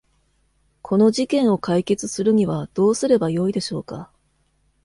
この事件を解決するにはどうすればよいでしょうか。